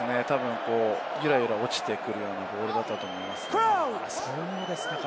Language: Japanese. ゆらゆら落ちてくるようなボールだったと思います。